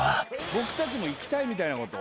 僕たちも行きたいみたいなことを。